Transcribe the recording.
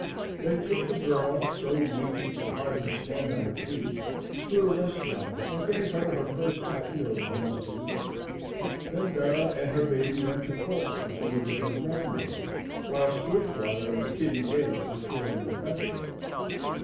They took the girl, so weak she could hardly stand on her feet, to a restaurant and gave her her first hot meal in almost a week. Then Bera and her baby went to Portland to live with her grandma, while Swiftwater and Kitty Gates were touring the country.